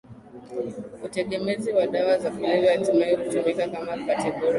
utegemezi wa dawa za kulevya hatimaye hutumika kama kategoria